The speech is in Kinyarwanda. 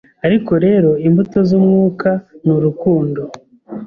Ariko rero imbuto z'Umwuka ni urukundo,